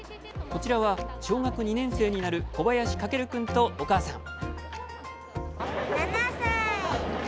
こちらは小学２年生になる小林駆君とお母さん。